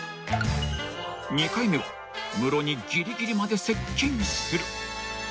［２回目はムロにぎりぎりまで接近する］